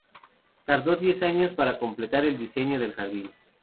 Tardó diez años para completar el diseño del jardín.